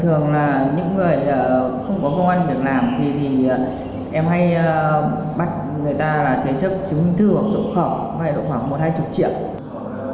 thường là những người không có công an được làm thì em hay bắt người ta là thế chấp chứng minh thư hoặc sổ khẩu vay khoảng một hai mươi triệu